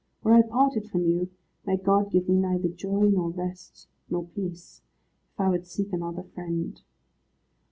Were I parted from you, may God give me neither joy, nor rest, nor peace, if I would seek another friend.